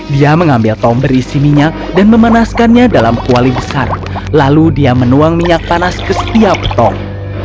dia mengambil tom berisi minyak dan memanaskannya dalam kuali besar lalu dia menuang minyak panas ke setiap tong